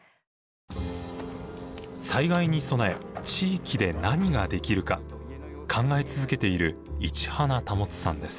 災害に備え地域で何ができるか考え続けている市花保さんです。